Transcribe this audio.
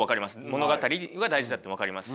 物語が大事だって分かります。